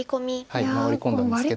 ワリ込んだんですけど。